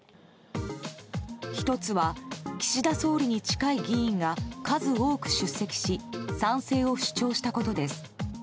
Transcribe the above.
１つは、岸田総理に近い議員が数多く出席し賛成を主張したことです。